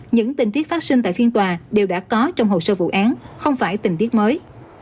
những tình tiết phát sinh tại phiên tòa đều đã có trong hồ sơ vụ án không phải tình tiết mới